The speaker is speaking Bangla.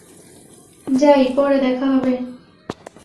যাই, পরে দেখা হবে।